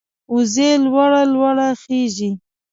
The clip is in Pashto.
وزې لوړه لوړه خېژي